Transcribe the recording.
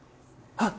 あっ！